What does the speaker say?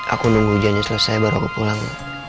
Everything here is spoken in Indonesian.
aku nunggu ujiannya selesai baru aku pulang